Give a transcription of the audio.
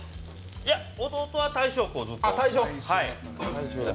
いや、弟は大正をずっと。